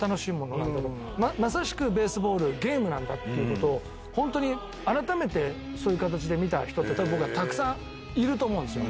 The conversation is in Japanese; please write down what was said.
まさしくベースボールゲームなんだっていうことを改めてそういう形で見た人ってたくさんいると思うんですよ。